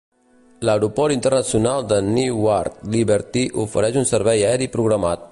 L'aeroport internacional de Newark Liberty ofereix un servei aeri programat.